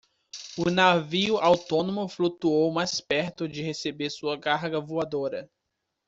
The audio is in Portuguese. O navio autônomo flutuou mais perto de receber sua carga voadora.